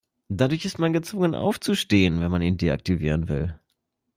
Dadurch ist man gezwungen aufzustehen, wenn man ihn deaktivieren will.